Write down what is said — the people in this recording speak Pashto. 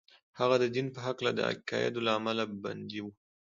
هغه د دين په هکله د عقايدو له امله بندي و.